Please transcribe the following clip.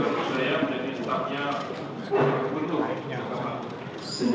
bisa diterima ya pak geri